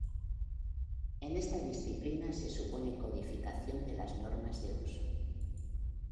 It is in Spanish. En esta disciplina se supone codificación de las normas de uso.